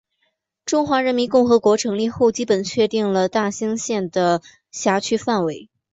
中华人民共和国成立后基本确定了大兴县的辖区范围。